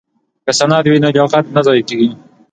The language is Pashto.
که سند وي نو لیاقت نه ضایع کیږي.